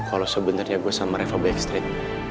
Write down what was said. kalau sebenernya gue sama reva baik straight